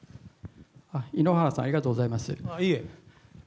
井ノ原さん、ありがとうございます。